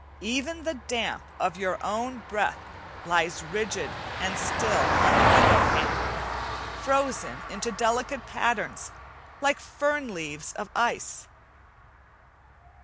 Even the damp of your own breath lies rigid and still on the window pane frozen into delicate patterns like fern leaves of ice.